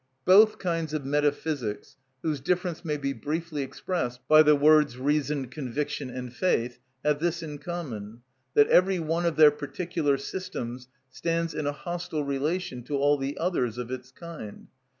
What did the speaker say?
Both kinds of metaphysics, whose difference may be briefly expressed by the words reasoned conviction and faith, have this in common, that every one of their particular systems stands in a hostile relation to all the others of its kind.